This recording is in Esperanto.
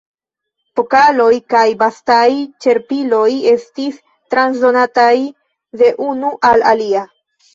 Pokaloj kaj bastaj ĉerpiloj estis transdonataj de unu al alia.